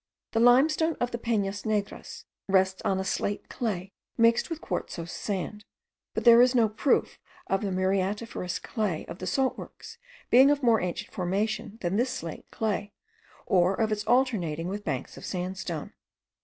The limestone of the Penas Negras rests on a slate clay, mixed with quartzose sand; but there is no proof of the muriatiferous clay of the salt works being of more ancient formation than this slate clay, or of its alternating with banks of sandstone.